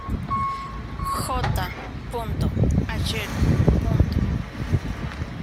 J. Ayer.